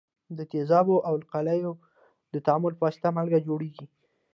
د تیزابو او القلیو د تعامل په واسطه مالګې جوړیږي.